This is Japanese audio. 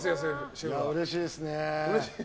うれしいです。